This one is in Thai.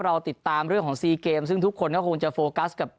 เราติดตามเรื่องของซีเกมซึ่งทุกคนก็คงจะโฟกัสกับ